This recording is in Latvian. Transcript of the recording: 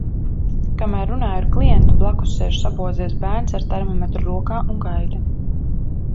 Kamēr runāju ar klientu, blakus sēž sabozies bērns ar termometru rokā un gaida.